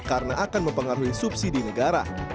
karena akan mempengaruhi subsidi negara